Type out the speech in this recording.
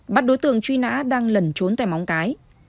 bắt đối tượng truy nã đang lẩn trốn tại móng cái